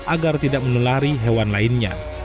agar tidak menulari hewan lainnya